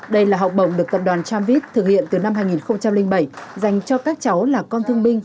đây là học bổng được tập đoàn tramvit thực hiện từ năm hai nghìn bảy dành cho các cháu là con thương binh